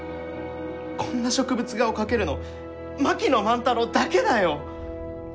こんな植物画を描けるの槙野万太郎だけだよ！